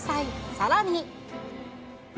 さらに。